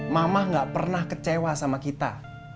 mamah gak pernah kecewa sama kita